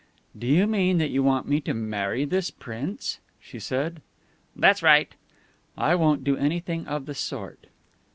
"Do you mean that you want me to marry this Prince?" she said. "That's right." "I won't do anything of the sort."